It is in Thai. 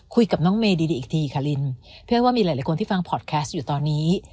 คุยกับน้องเมดีอีกทีค่ะลินเพื่อว่ามีหลายคนที่ฟังพอดแคสต์อยู่ตอนนี้